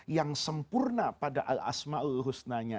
yang sempurna pada al asma'ul husnanya